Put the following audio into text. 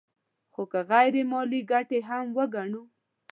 خو که غیر مالي ګټې هم وګڼو